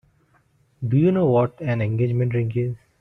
Do you know what an engagement ring is?